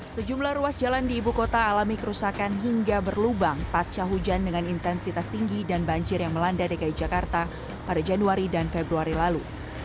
sejumlah ruas jalan di ibu kota alami kerusakan hingga berlubang pasca hujan dengan intensitas tinggi dan banjir yang melanda dki jakarta pada januari dan februari lalu